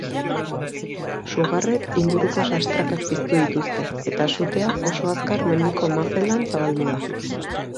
Sugarrek inguruko sastrakak piztu dituzte eta sutea oso azkar mendiko mazelan zabaldu da.